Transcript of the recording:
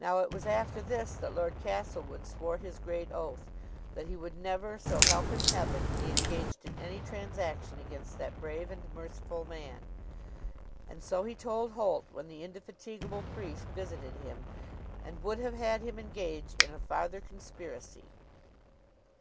Now it was after this that Lord Castlewood swore his great oath, that he would never, so help him heaven, be engaged in any transaction against that brave and merciful man; and so he told Holt when the indefatigable priest visited him, and would have had him engage in a farther conspiracy.